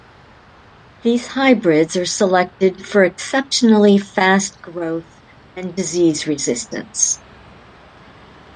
These hybrids are selected for exceptionally fast growth and disease resistance.